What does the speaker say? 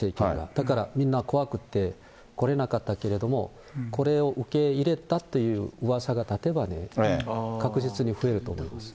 だからみんな怖くて来れなかったけれども、これを受け入れたといううわさが立てばね、確実に増えると思いますよ。